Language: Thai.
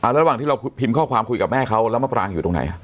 ระหว่างที่เราพิมพ์ข้อความคุยกับแม่เขาแล้วมะปรางอยู่ตรงไหน